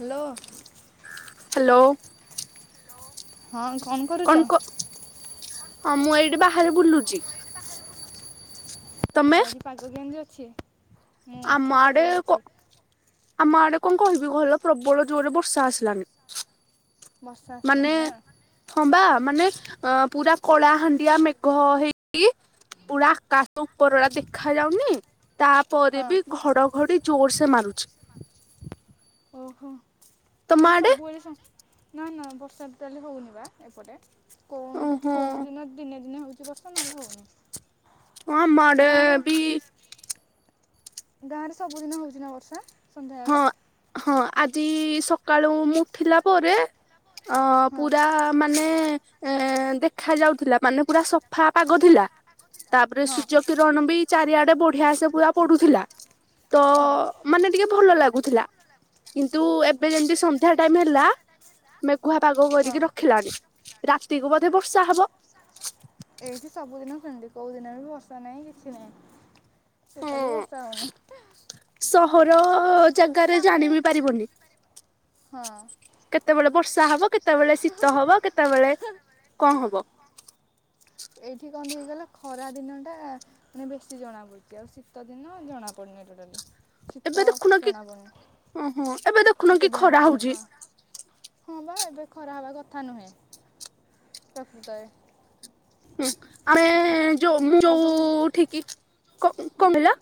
Hello. Hello. ହଁ। କଣ କ ମୁଁ ଏଇଠି ବାହାରେ ବୁଲୁଚି। ଆଉ ଆଜି ପାଗ କେମତି ଅଛି? ମୁଁ ବି ଆମ ଛାତ ଆଡେ ଉପରେ କ ଅଛି। ଆମ ଆଡେ କଣ କହିବି ଭଲ ପ୍ରବଳ ଜୋରରେ ବର୍ଷା ଆସିଲାନି। ବର୍ଷା ଆସିଲାଣି ମାନେ ନା ହଁ ବା। ମାନେ ଅ ପୁରା କଳା ହାଣ୍ଡିଆ ମେଘ ହେଇକି ପୁରା ଆକାଶ ଉପରଡା ଦେଖା ଯାଉନି। ତାପରେ ହଁ ବି ଘଡଘଡି ଜୋର୍ ସେ ମାରୁଚି। ଓହୋ। ମାନେ ସବୁବେଳେ ସ ନାହିଁ ନାହିଁ। ବର୍ଷା ଟୋଟାଲେ ହଉନି ବା ଏପଟେ। କଣ ଓହୋ ଯଦି କୋଉ ଦିନ ଦିନେ ଦିନେ ହଉଚି ବର୍ଷା ନହେଲେ ହଉନି। ହଁ ଆମ ଆଡେ ବି ଗାଁ ରେ ସବୁଦିନ ହୋଉଚି ନା ବର୍ଷା? ସନ୍ଧ୍ୟାବେଳେ ହଁ ହଁ ଆଜି ସକାଳୁ ମୁଁ ଉଠିଲା ପରେ ଅ ହଁ ପୁରା ମାନେ ଏ ଦେଖ ଯାଉଥିଲା ମାନେ ପୁରା ସଫା ପାଗ ଥିଲା। ତାପରେ ହଁ ସୂର୍ଯ୍ୟ କିରଣ ବି ଚାରିଆଡେ ବଢିଆ ସେ ପୁରା ପଡୁଥିଲା ତ ହଁ ମାନେ ଟିକେ ଭଲ ଲାଗୁଥିଲା କିନ୍ତୁ ଏବେ ଯେମିତି ସନ୍ଧ୍ୟା ଟାଇମ ହେଲା ମେକୁୁଆ ପାଗ ହଁ କରିକି ରଖିଲାଣି ରାତିକୁ ବୋଧେ ଏ- ବର୍ଷା ହବ? ଏଇଠି ସବୁଦିନ ସେମିତି କୋଉ ଦିନରେ ବି ବର୍ଷା ନାହିଁ କିଛି ନାହିଁ। ସେ ହଁ ଚାଲିବ ବର୍ଷା ହୋଉନି। ସହର ଜାଗାରେ କାହିଁକି ଜାଣି ବି ପାରିବନି। ହଁ। କେତେବେଳେ ବର୍ଷା ହବ କେତେବେଳେ ଶୀତ ହବ କେତେବେଳେ କଁ ହବ। ଏଇଠି କଁ ଟିକେ ହେଇଗଲା ଖରା ଦିନ ଟା ମାନେ ବେଶୀ ଜଣାପଡୁଚି ଆଉ ଶୀତ ଦିନ ଜଣାପଡୁନି ଟୋଟାଲି। ଏବେ ଶୀତ ଦେଖୁନ କି ଜନା ଓହୋ ଏବେ ପଡୁନି ଦେଖୁନ କି ଶୀତଦିନେ ଖରା ଆସଲେ ହଉଛି। ହଁ। ହଁ ବା ଏବେ ଖରା ହେବା କଥା ନୁହେଁ ପ୍ରକୃତରେ। ହୁଁ ଆମେ ଯଉ ଆଉ କଣ ଯୋଉଠିକି କ କମିଲା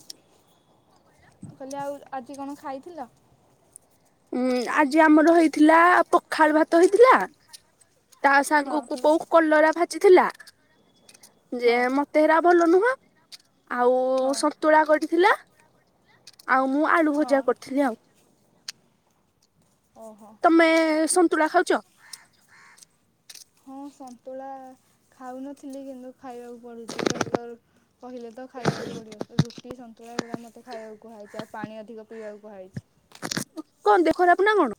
କହିଲେ ଆଉ ଆଜି କଣ ଖାଇଥିଲେ? ଉଁ ଆଜି ଆମର ହେଇଥିଲା ପଖାଳ ଭାତ ହେଇଥିଲା। ତା ହଁ ସାଙ୍ଗକୁ ବୋଉ କଲରା ଭାଜିଥିଲା ଯେ ହଁ ମ ତେହେରା ଭଲ ନୁହଁ ଆଉ ହଁ ସନ୍ତୁଳା କରିଥିଲା। ଆଉ ମୁଁ ଆଳୁ ହଁ ଭଜା କରିଥିଲି ଆଉ। ଓହୋ। ତମେ ସନ୍ତୁଳା ଖାଉଚ? ହଁ ସନ୍ତୁଳା ଖାଉନଥିଲି କିନ୍ତୁ ଖାଇବାକୁ ପଡ଼ୁଚି ଡକ୍ଟର କହିଲେ ତ ଖାଇବାକୁ ପଡ଼ିବ ରୁଟି ସନ୍ତୁଳା ଏଗୁଡ଼ା ମୋତେ ଖାଇବାକୁ କୁହାଯାଏ ପାଣି ଅଧିକ ପିଇବାକୁ କୁହାହେଇଚି। କଣ ଦେହ ଖରାପ ନା କଁ?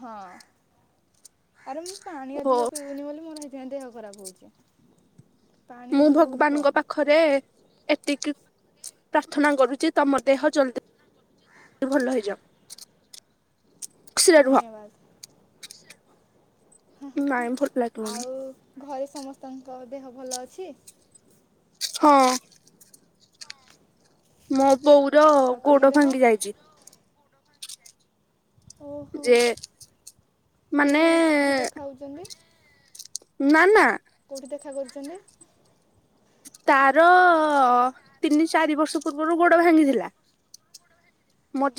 ହଁ ଆରେ ମୁଁ ପାଣି ଓହୋ ଅଧିକ ପିଉନି ବୋଲି ମୋର ହେଇଥିପାଇଁ ଦେହ ଖରାପ ହଉଚି। ମୁଁ ଭଗବାନଙ୍କ ପାଖ ପାଖରେ ଏତିକି ପ୍ରାର୍ଥନା କରୁଚି ତମ ଦେହ ଜଲ୍ଦୀ ତି ଭଲ ହେଇଯାଅ। ଧନ୍ୟବାଦ ନାଇଁ ଭଲ ଲାଗିବନି ଆଉ ଘରେ ସମସ୍ତଙ୍କ ଦେହ ଭଲ ଅଛି? ହଁ। ମୋ ବୋଉର ଆଉ ତମ ଗୋଡ ଦେହ ଭାଙ୍ଗି ଯାଇଚି। ଓହୋ ଯେ ମାନେ କଉଠି ଦେଖାଉଚନ୍ତି? ନା ନା କୋଉଠି ଦେଖା କରୁଚନ୍ତି? ତାର ତିନି ଚାରି ବର୍ଷ ପୂର୍ବରୁ ଗୋଡ ଭାଙ୍ଗିଥିଲା।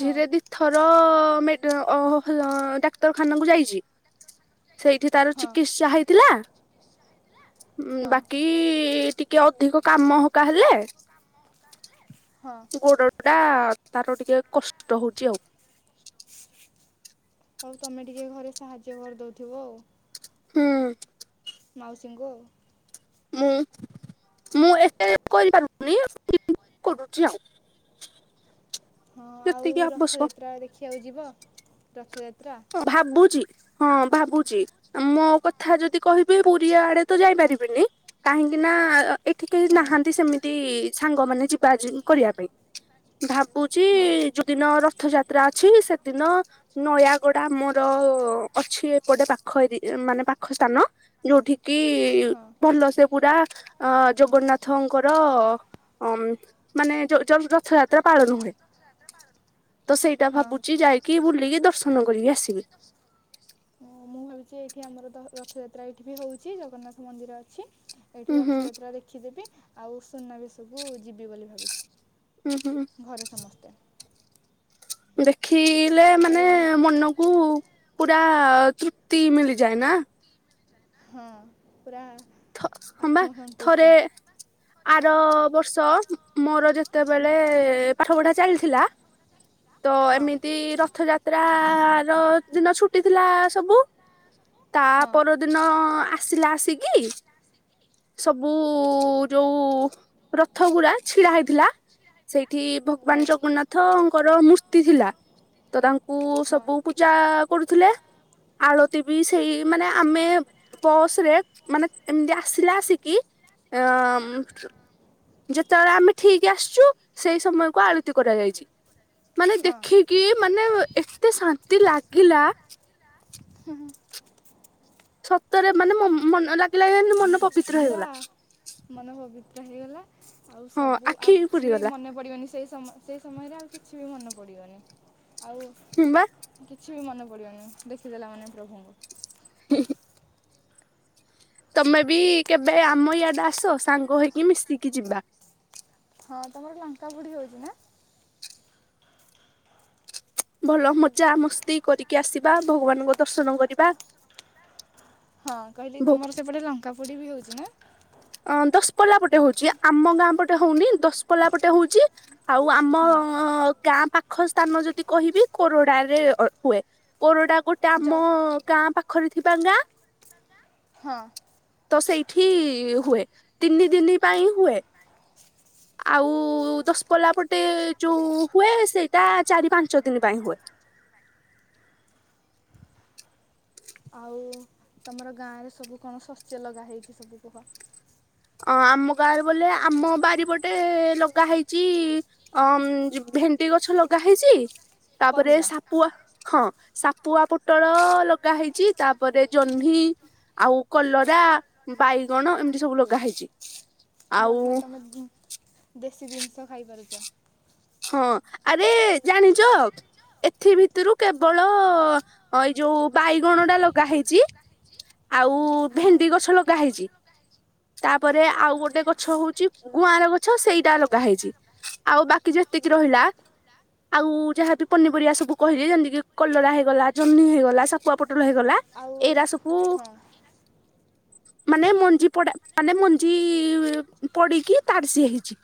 ହଁ ଦି ଥର ମେଡ ଅ ହେଲ ଡାକ୍ତରଖାନାକୁ ଯାଇଚି ସେଇଠି ତାର ହଁ ଚିକିତ୍ସା ହେଇଥିଲା। ହଁ ବାକି ଟିକେ ଅଧିକ କାମ ହକା ହେଲେ ହଁ। ଗୋଡଟା ତାର ଟିକେ କଷ୍ଟ ହଉଚି ଆଉ। ହଉ ତମେ ଟିକେ ଘରେ ସାହାଯ୍ୟ କରିଦଉଥିବ ଆଉ। ହୁଁ। ମାଉସୀଙ୍କୁ। ମୁଁ ମୁଁ ଏତେ କରିପାରୁନି [inaudible] କୋଚିଆ ହଁ ଆଉ ରଥଯାତ୍ରା ଦେଖିଆକୁ ଯିବ ରଥଯାତ୍ରା। ଅଁ ଭାବୁଚି। ହଁ ଭାବୁଚି ଆଁ ମୋ କଥା ଯଦି କହିବି ପୁରୀ ଆଡେ ତ ଯାଇପାରିବିନି କାହିଁକି ନା ଆ ଏଠି କେଇ ହଁ ନାହାନ୍ତି ସେମିତି ସାଙ୍ଗମାନେ ଯିବା ଯିବି କରିଆ ପାଇଁ। ଭାବୁଚି ହଁ ଯୋଉଦିନ ରଥଯାତ୍ରା ଅଛି ସେଦିନ ନୟା ଗଡ ଆମର ଅଛି ଏପଟେ ପାଖ ଏରି ଉଁ ମାନେ ପାଖ ସ୍ତାନ। ଯୋଉଠିକି ଉଁ ହଁ ଭଲ ସେ ପୁରା ଅଁ ଜଗନ୍ନାଥଙ୍କର ଅଁ ଉଁ ମାନେ ଯୋଉ ଯୋଉ ରଥଯାତ୍ରା ପାଳନ ହୁଏ। ତ ସେଇଟା ହଁ ଭାବୁଚି ଯାଇକି ବୁଲିକି ଦର୍ଶନ କରିକି ଆସିବି। ମୁଁ ଭାବିଛି ଏଇଠି ଆମର ତ ରଥଯାତ୍ରା ଏଇଠି ବି ହଉଚି ଜଗନ୍ନାଥ ମନ୍ଦିର ଅଛି। ଉଁ ଏଇଠି ହୁଁ ରଥଯାତ୍ରା ଦେଖିଦେବି ଆଉ ସୁନାବେଶକୁ ଯିବି ବୋଲି ଭାବିଛି। ଉୁଁ ହୁଁଁ। ଘରେ ସମସ୍ତେ ଦେଖିଲେ ମାନେ ଆଉ ମନ କୁ ପୁରା ତୃପ୍ତି ମିଳିଯାଏ ନା। ହଁ ପୁରା ଥ ହଁ ବା ଥରେ ଆତ୍ମସନ୍ତୁଷ୍ଟ ଆର ବର୍ଷ ଉଁ ମୋର ଯେତେବେଲେ ପାଠ ପଢା ଚାଲିଥିଲା ତ ହଁ ଏମିତି ରଥଯାତ୍ରର ଦିନ ଛୁଟି ଥିଲା ସବୁ ତା ହଁ ପରଦିନ ଆସିଲା ଆସିକି ସବୁ ଯୋଉ ରଥଗୁରା ଛିଡା ହେଇଥିଲା ସେଇଠି ହଁ। ଭଗବାନ ଜଗନ୍ନାଥଙ୍କର ମୂର୍ତ୍ତି ଥିଲା ତ ତାଙ୍କୁ ହଁ। ସବୁ ପୂ ଜା କରୁଥିଲେ। ଆଳତି ବି ସେଇ ମାନେ ଆମେ ବସରେ ମାନେ ଏମତି ଆସିଲା ଆସିକି ଏ ଅଁ ଉଁ ଯେତେବେଳେ ଆମେ ଠିକି ଆସିଚୁ ସେଇ ସମୟକୁ ଆଳତି କରାଯାଇଛି ମାନେ ହଁ ଦେଖି କି ମାନେ ଉ ଏତେ ଶାନ୍ତି ଲାଗିଲା ହୁଁ ହୁଁ। ସତରେ ମାନେ ମୋ ମନ ଲାଗିଲା ଏନ୍ତି ମନ ପ ପୁରା ମନ ପବିତ୍ର ହେଇଗଲା ଆଉ ହଁ ସବୁ ଆଖି ଆଉ କିଛି ବି ପୁରିଗଲା ମନେ ପିଡିବନି ସେଇ ସମ ସେଇ ସମୟରେ ଆଉ କିଛି ବି ମନ ପଡିବନି ଆଉ ହୁଁ ବା। କିଛି ବି ମନେ ପଡିବନି ଦେଖିଦେଲା ମାନେ ପ୍ରଭୁଙ୍କୁ। ହୁଁ ହୁଁ। ତମେ ବି କେବେ ଆମ ଇଆଡେ ଆସ ସାଙ୍ଗ ହେଇକି ମିଶିକି ଯିବା। ହଁ ତମ ହେଠି ଲଙ୍କା ପୁଡି ହଉଚି ନା। ଭଲ ମଜା ମସ୍ତି କରିକି ଆସିବା ଭଗବାନଙ୍କ ଦର୍ଶନ କରିବା। ହଁ ମୁଁ କହିଲି ଭଗବାନ ତମର ସେପଟେ ଲଙ୍କା ପୁଡି ବି ହଉଚି ନା। ଆଁ ଦଶପଲା ପଟେ ହଉଚି ଆମ ଗାଁ ପଟେ ହଉନି ଦଶପଲା ପଟେ ହଉଚି। ଆଉ ଆମ ହୁଁ ଗାଁ ପାଖ ସ୍ଥାନ ଯଦି କହିବି କୋରଡାରେ ଅ ହୁଏ। କୋରଡା ଗୋଟେ ଜ ଆମ ଗାଁ ପାଖରେ ଥିବା ଗାଁ। ହଁ। ତ ସେଇଠି ହୁଏ ତିନି ଦିନ ପାଇଁ ହୁଏ। ଆଉ ଦଶପଲା ପଟେ ଯୋଉ ହୁଏ ସେଇଟା ଚାରି ପାଞ୍ଚ ଦିନ ପାଇଁ ହୁଏ। ଆଉ ତମର ଗାଁରେ ସବୁ କଣ ଶସ୍ୟ ଲଗା ହେଇଛି ସବୁ କୁହ? ଅ ଆମ ଗାଁରେ ବୋଲେ ଆମ ବାରିପଟେ ଲଗା ହେଇଛି ଅଁ ଭେଣ୍ଡି ଗଛ ଲଗା ହେଇଛି ତାପରେ ପରିବା ସାପୁଆ ହଁ ସାପୁଆ ପୋଟଳ ଲଗା ହେଇଛି। ତାପରେ ଜହ୍ନି ଆଉ କଲରା ବାଇଗଣ ଏମିତି ସବୁ ଲଗା ହେଇଛି। ଆଉ ବଢ଼ିଆ ତମେ ଦେଶୀ ଜିନିଷ ଖାଇପାରୁଛ। ହଁ ଆରେ ଜାଣିଛ ଏଥି ଭିତରୁ କେବଳ ଏ ଯୋଉ ବାଇଗଣ ଟା ଲଗା ହେଇଛି। ଆଉ ହଁ। ଭେଣ୍ଡି ଗଛ ଲଗା ହେଇଛି। ତାପରେ ଆଉ ଗୋଟେ ଗଛ ହଉଛି ଗୁଆଁର ଗଛ ସେଇଟା ଲଗା ହେଇଛି ଆଉ ବାକି ଯେତିକି ରହିଲା। ଆଉ ଯାହାବି ପନିପରିବା ସବୁ କହିଲି ଯେମିତି କିି କଲରା ହେଇଗଲା ଜହ୍ନି ହେଇଗଲା ଶପୁଆ ପୋଟଳ ହେଇଗଲା ଆଉ ଏଇ ରାସକୁୁ ହଁ। ମାନେ ମଞ୍ଜି ପଡା ମାନେ ମଞ୍ଜି ପଡିକି ତାର ସିଏ ହେଇଛି।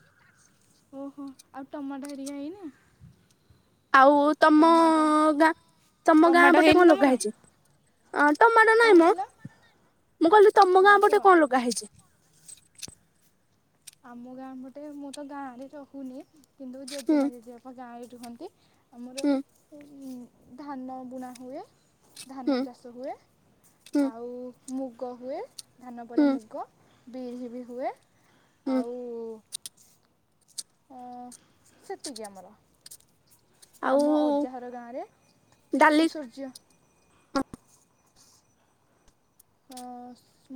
ଓହୋ ଆଉ ଟମାଟ ହେରିକା ହେଇନି? ଆଉ ତମ ଟମାଟୋ ଗାଁ ତମ ଗାଁ ଟମାଟୋ ପଟେ ହେଇନି କଣ ତମର? ଲଗା ହେଇଛି? ଅ ଟମାଟୋ କଣ ନାଇଁ ମ। କହିଲ? ମୁଁ କହିଲି ତମ ଗାଁ ହଁ କୁହ? ପଟେ କଣ ଲଗା ହେଇଛି? ଆମ ଗାଁ ପଟେ ମୁଁ ତ ଗାଁ ରେ ରହୁନି କିନ୍ତୁ ହୁଁ ଜେଜେମା ଜେଜେବାପା ଗାଁରେ ରୁହନ୍ତି। ଆମର ହୁଁ ଧାନ ବୁଣା ହୁଏ। ହୁଁ ଧାନ ଚାଷ ହୁଏ ହୁଁ ଆଉ ମୁଗ ହୁଏ। ଧାନ ପରେ ହୁଁ ମୁଗ ବିରି ବି ହୁଏ। ହୁଁ ଆଉ ହଁ ସେତିକି ଆମର। ଆଉ ଆମ ଅଜା ଘର ଗାଁରେ ଡାଲି ସୂର୍ଯ୍ୟ ହଁ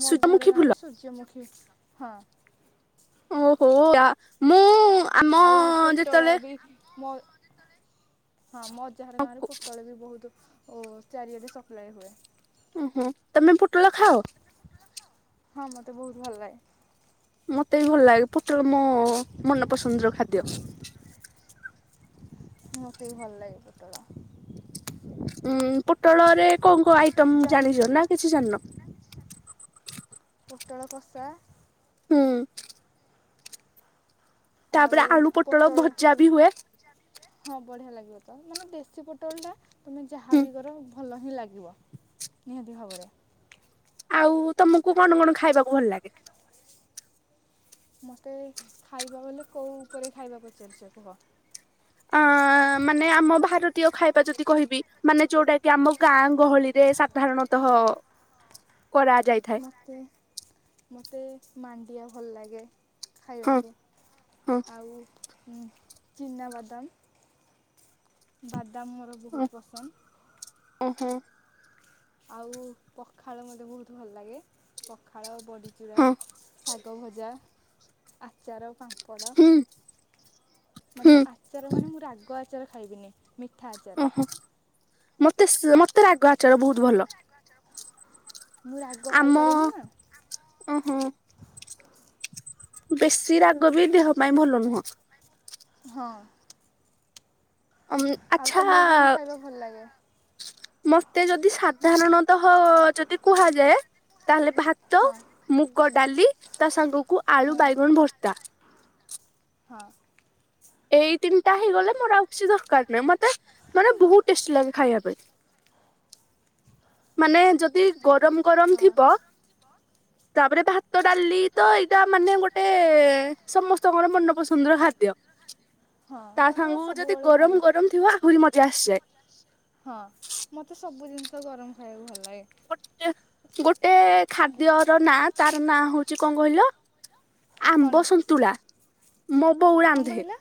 ମୋ ଅଜା ଘର ସୂର୍ଯ୍ୟମୁଖୀ ଫୁଲ ଗାଁରେ ସୂର୍ଯ୍ୟମୁଖୀ ହଁ। ଓହୋ ୟା ମୁଁ ଆମ ଆଉ ପୋଟଳ ଯେତେବେଳେ ବି ମ ହଁ ମ ଅଜାଘର ଗାଁରେ ପୋଟଳ ବି ବହୁତ ଓ ଚାରିଆଡ଼େ ସପ୍ଲାଏ ହୁଏ। ଓହୋ ତମେ ପୋଟଳ ଖାଅ? ହଁ ମତେ ବହୁତ ଭଲ ଲାଗେ। ମତେ ବି ଭଲ ଲାଗେ ପୋଟଳ ମୋ ମନପସନ୍ଦର ଖାଦ୍ୟ। ମତେ ବି ଭଲ ଲାଗେ ପୋଟଳ। ଉଁ ପୋଟଳରେ କଣ କୋଉ ଆଇଟମ ଜହ୍ନି ଜାଣିଛ ନା କିଛି ଜାଣିନ? ପୋଟଳ କଷା। ହୁଁ। ତାପରେ ଆଳୁ ପୋଟଳ ଭଜା ବି ହୁଏ। ହଁ ବଢ଼ିଆ ଲାଗିବ ତ ମାନେ ଦେଶୀ ପୋଟଳଟା। ତମେ ହୁଁ ଯାହାବି କର ଭଲ ହିଁ ଲାଗିବ ନିହାତି ଭାବରେ। ଆଉ ତମକୁ କଣ କଣ ଖାଇବାକୁ ଭଲ ଲାଗେ? ମୋତେ ଖାଇବା ବଲେ କୋଉ ଉପରେ ଖାଇବା ପଚାରୁଛ କୁହ? ଆଁ ମାନେ ଆମ ଭାରତୀୟ ଖାଇବା ଯଦି କହିବି, ମାନେ ଯୋଉଟା କି ଆମ ଗାଁ ଗହଳିରେ ସାଧାରଣ ତଃ କରା ଯାଇଥାଏ। ମତେ ମାଣ୍ଡିଆ ଭଲ ଲାଗେ। ହଁ ଖାଇବାକୁ। ହଁ ଆଉ ଚିନାବାଦାମ, ବାଦାମ ମୋର ବହୁତ୍ ପସନ୍ଦ। ଓ ହଁ। ଆଉ ପଖାଳ ମୋତେ ବହୁତ୍ ଭଲ ଲାଗେ। ପଖାଳ ବଡ଼ିଚୁରା ହଁ ଶାଗଭଜା, ଆଚାର, ପାମ୍ପ ମ୍ପଡ। ହୁଁ ହୁଁ ମାନେ ଆଚାର ମାନେ ମୁଁ ରାଗ ଆଚାର ଖାଇବିନି। ମିଠା ଆଚାର। ଓହୋ ମତେ ସ୍ ମତେ ରାଗ ଆଚାର ବହୁତ ଭଲ। ମୁଁ ରାଗ ଆମ ଖାଇପାରେନି ନା ଅଁ ହଁ। ବେଶୀ ରାଗ ବି ଦେହ ପାଇଁ ଭଲ ନୁହଁ। ହଁ। ଆଉ ଆଚ୍ଛା ତମକୁ କଣ ଖାଇବା ଭଲ ଲାଗେ? ମତେ ଯଦି ସାଧାରଣତଃ ଯଦି କୁହାଯାଏ, ତାହେଲେ ଭା ତ, ହଁ ମୁଗ ଡାଲି ତା ସାଙ୍ଗକୁ ହଁ ଆଳୁ ବାଇଗଣ ଭର୍ତ୍ତା। ହଁ। ଏଇ ତିନିଟା ହେଇଗଲେ ମୋର ଆଉ କିଛି ଦରକାର ନାହିଁ। ମତେ ମାନେ ବହୁତ୍ ଟେଷ୍ଟି ଲାଗେ ଖାଇବା ପାଇଁ। ମାନେ ଯଦି ଗରମ ଗରମ ହଁ ଥିବ ତାପରେ ଭାତ ଡାଲି ତ ଏଇଟା ମାନେ ଗୋଟେ ସମସ୍ତଙ୍କର ମନ ପସନ୍ଦର ଖାଦ୍ୟ। ହଁ ତା କାରଣ ସାଙ୍ଗ କୁ ଯଦି ସବୁବେଳେ ଖାଏ ଗରମ ଗରମ ଥିବ ଆହୁରି ମଜା ଆସିଯାଏ। ହଁ। ମତେ ସବୁ ଜିନିଷ ଗରମ ଖାଇବାକୁ ଭଲ ଲାଗେ। ଗୋଟେ ଗୋଟେ ଖାଦ୍ୟ ର ନାଁ ତାର ନାଁ ହଉଚି କଣ କହିଲ କଣ ଆମ୍ବ ସନ୍ତୁଳା, ମୋ ବୋଉ କଣ ରାନ୍ଧେ। କହିଲା?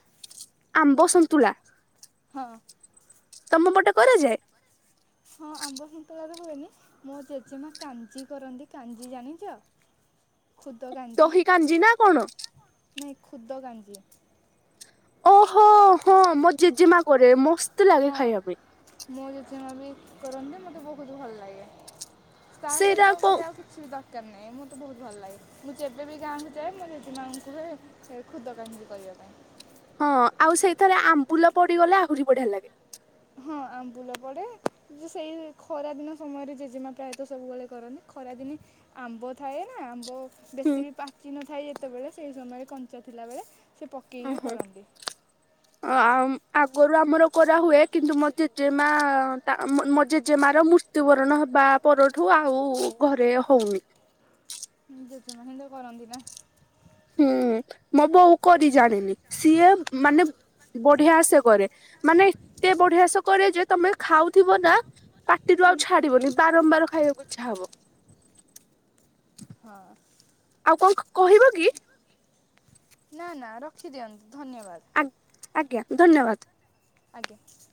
ଆମ୍ବ ସନ୍ତୁଳା। ହଁ। ତମ ପଟେ କରାଯାଏ? ହଁ ଆମ୍ବ ସନ୍ତୁଳାର ହୁଏନି। ମୋ ଜେଜେମା କାଞ୍ଜି କରନ୍ତି। କାଞ୍ଜି ଜାଣିଚ? ଖୁଦ କା ଦହି କାଞ୍ଜି ନା କଣ? ନାଇଁ ଖୁଦ କାଞ୍ଜି। ଓହୋ, ହଁ ମୋ ଜେଜେମା କରେ। ମୋସ୍ ହଁ। ମୋ ଜେଜେ ମା ବି କରନ୍ତି। ମୋତେ ବହୁତ ଭଲ ଲାଗେ। ତା ସେଇଟା ସହିତ କୋଉ ମତେ ଆଉ କି କିଛି ବି ଦରକାର ନାହିଁ। ମତେ ବହୁତ ଭଲ ଲାଗେ। ମୁଁ ଯେବେ ବିି ଗାଁକୁ ଯାଏ ମୋ ଜେଜେମାଆଙ୍କୁ କୁହେ ଏ ଖୁଦ କାଞ୍ଜି କରିବା ପାଇଁ। ହଁ। ଆଉ ସେଇଥେରେ ଆମ୍ବୁଲ ପଡିଗଲେ ଆହୁରି ବଢିଆ ଲାଗେ। ହଁ ଆମ୍ବୁଲ ପଡ଼େ। ଯେ ସେଇ ଖରାଦିନ ସମୟରେ ଜେଜେମା ପ୍ରାୟତଃ ସବୁବେଳେ କରନ୍ତି। ଖରାଦିନେ ଆମ୍ବ ଥାଏ ନା ଆମ୍ବ ହୁଁ ବେଶୀ ବି ପାଚି ନଥାଏ ଯେତେବେଳେ ସେଇ ସମୟରେ କଞ୍ଚା ଥିଲାବେଳେ ସେ ପକେଇକି ଓହୋ କରନ୍ତି। ଆଗରୁ ଆମର କରାହୁଏ। କିନ୍ତୁ ମୋ ଜେଜେ ମା ତା ମୋ ଜେଜେମାର ମୁ ମୃତ୍ୟୁବରଣ ହେବା ପରଠୁ ଆଉ ଘରେ ହଉନି। ଜେଜେମା ହିଁ ତ କରନ୍ତି ନା। ହୁଁ ମୋ ବୋଉ କରି ଜାଣିନି। ସିଏ ମାନେ ବଢି଼ଆସେ କରେ। ମାନେ ଏତେ ବଢି଼ଆସେ କରେ ଯେ ତମେ ଖାଉଥିବ ନା ପାଟିରୁ ଆଉ ଛାଡି଼ବନି ବାରମ୍ବାର ଖାଇବାକୁ ଇଛା ହବ। ହଁ। ଆଉ କଁ କହିବ କି? ନାଁ ନାଁ ରଖିଦିଅନ୍ତୁ ଧନ୍ୟବାଦ। ଆ ଆଜ୍ଞା ଧନ୍ୟବାଦ। ଆଜ୍ଞା।